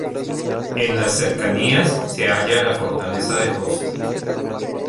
En las cercanías se halla la fortaleza de Josta.